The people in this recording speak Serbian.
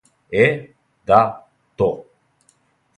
Е, да, то!